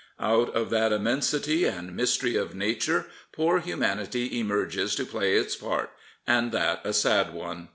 Out of that immensity and mystery of Nature, poor humanity emerges to play its part, and that a sad one.